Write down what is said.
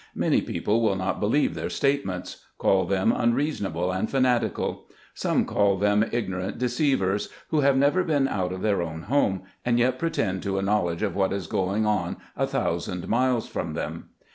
Many people will not believe their statements; call them unreasonable and fanatical. Some call them ignorant deceivers, who have never been out of their own home, and yet pretend to a knowledge of what is going on a thou sand miles from them.